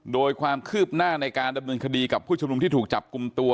โดยความคืบหน้าในการดำเนินคดีกับผู้ชุมนุมที่ถูกจับกลุ่มตัว